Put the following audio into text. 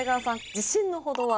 自信のほどは？